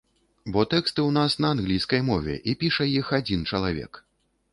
Бо тэксты ў нас на англійскай мове і піша іх адзін чалавек.